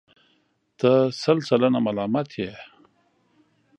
ته سل سلنه ملامت یې.